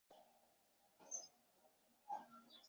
বেয়া মাছের ঝাক লেগেচে, এখানে কিছু হবে না।